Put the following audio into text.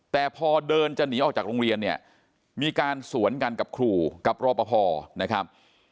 แต่พอเดินจะหนีออกจากโรงเรียนเนี่ยมีการสวนกันกับครูกับรอปภนะครับ